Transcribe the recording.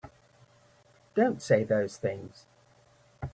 Don't say those things!